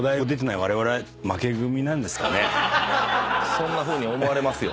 そんなふうに思われますよ。